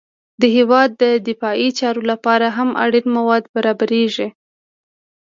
د هېواد د دفاعي چارو لپاره هم اړین مواد برابریږي